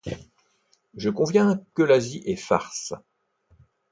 Je conviens que l'Asie est farce.